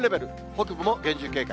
北部も厳重警戒。